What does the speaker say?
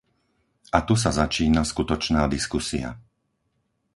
A tu sa začína skutočná diskusia.